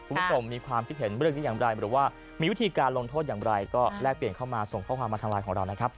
คุณผู้ชมมีความคิดเห็นเรื่องนี้อย่างไรหรือว่ามีวิธีการลงโทษอย่างไรก็แลกเปลี่ยนเข้ามาส่งข้อความมาทางไลน์ของเรานะครับ